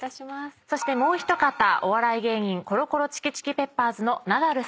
そしてもう一方お笑い芸人コロコロチキチキペッパーズのナダルさんです。